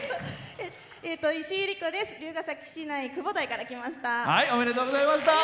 いしいです、龍ケ崎市内の久保台から来ました。